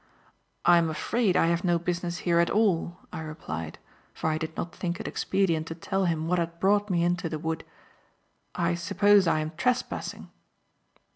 "I am afraid I have no business here at all," I replied, for I did not think it expedient to tell him what had brought me into the wood. "I suppose I am trespassing."